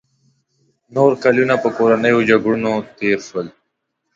نور کلونه په کورنیو جنګونو تېر شول.